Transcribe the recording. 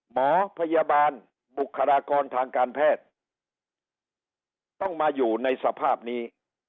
หมอพยาบาลบุคลากรทางการแพทย์ต้องมาอยู่ในสภาพนี้